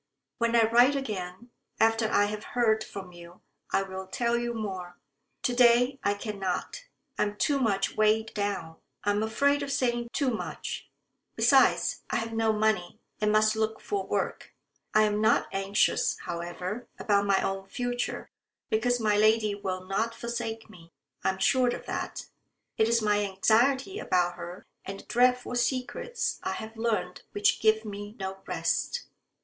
"When I write again, after I have heard from you, I will tell you more. To day I cannot. I am too much weighed down. I am afraid of saying too much. Besides, I have no money, and must look for work. I am not anxious, however, about my own future, because my lady will not forsake me. I am sure of that. It is my anxiety about her and the dreadful secrets I have learned which give me no rest."